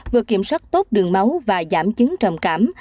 vừa kiểm soát tốt đường máu và giảm chứng trầm cảm